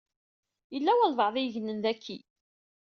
Yella walebɛaḍ i yegnen daki.